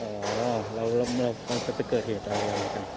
อ๋อแล้วมันก็จะเป็นเกิดเหตุอะไรอย่างไรกัน